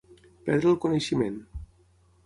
Perdre el coneixement.